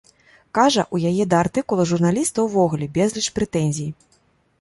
Кажа, у яе да артыкула журналіста ўвогуле безліч прэтэнзій.